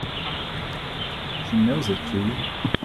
She knows it too!